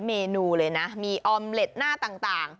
เมนูเลยนะมีออมเล็ตหน้าต่าง